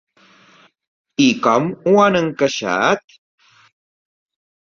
I com ho han encaixat?